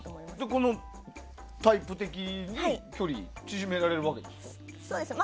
このタイプ別に距離を縮められるわけですか？